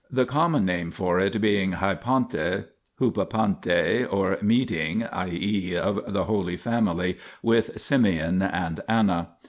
the common name for it being Hypa pante (vnanavzij, or meeting, i.e. of the Holy Family with Simeon and Anna).